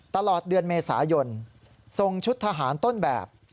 ตลอดเดือนเมษายนทรงชุดทหารต้นแบบ